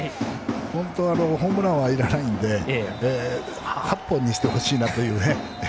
本当はホームランは要らないので８本にしてほしいなというね。